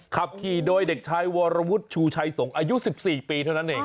ขับขี่โดยเด็กชายวรวุฒิชูชัยสงฆ์อายุ๑๔ปีเท่านั้นเอง